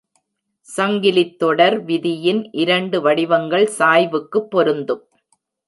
சங்கிலித்தொடர் விதியின் இரண்டு வடிவங்கள் சாய்வுக்கு பொருந்தும்.